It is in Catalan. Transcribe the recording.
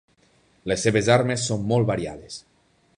Les seves armes són molt variades.